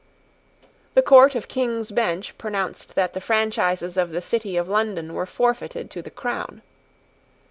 The Court of King's Bench pronounced that the franchises of the City of London were forfeited to the Crown.